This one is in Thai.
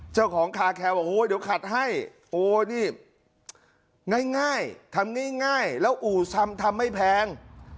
เจ้าของคาแคลบอกโอ้ยเดี๋ยวขัดให้โอ้นี่ง่ายทำง่ายแล้วอู่ทำทำไม่แพง